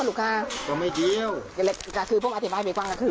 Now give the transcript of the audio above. แล้วตังค์๕แล้วไม่พอเดียวแล้วพี่มีก็๕เลย